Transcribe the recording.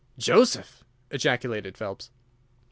"Joseph!" ejaculated Phelps.